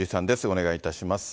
お願いいたします。